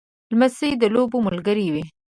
لمسی د لوبو ملګری وي.